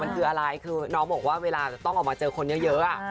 มันคืออะไรคือน้องบอกว่าเวลาจะต้องออกมาเจอคนเยอะ